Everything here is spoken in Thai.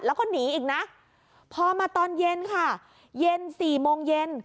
แล้วก็หนีอีกนะพอมาตอนเย็นค่ะเย็นสี่โมงเย็น